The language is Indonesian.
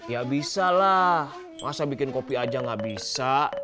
ya bisa lah masa bikin kopi aja gak bisa